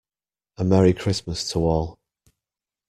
A Merry Christmas to all!